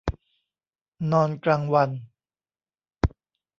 นอนกลางวัน